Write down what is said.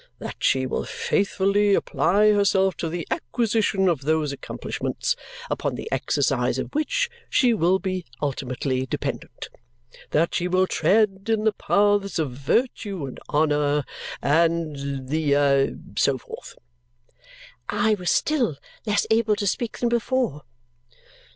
That she will faithfully apply herself to the acquisition of those accomplishments, upon the exercise of which she will be ultimately dependent. That she will tread in the paths of virtue and honour, and the a so forth." I was still less able to speak than before.